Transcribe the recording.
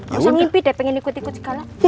gak usah ngimpi deh pengen ikut ikut segala